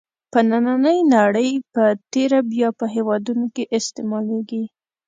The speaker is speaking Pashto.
په نننۍ نړۍ په تېره بیا په هېوادونو کې استعمالېږي.